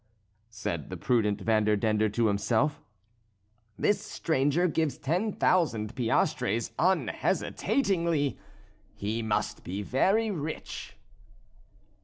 oh!" said the prudent Vanderdendur to himself, "this stranger gives ten thousand piastres unhesitatingly! He must be very rich."